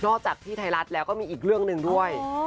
จากที่ไทยรัฐแล้วก็มีอีกเรื่องหนึ่งด้วย